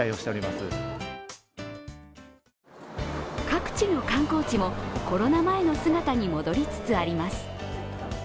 各地の観光地もコロナ前の姿に戻りつつあります。